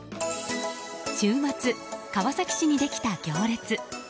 週末、川崎市にできた行列。